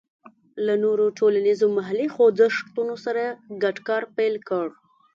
له نورو ټولنیزو محلي خوځښتونو سره ګډ کار پیل کړ.